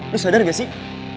lo sadar gak sih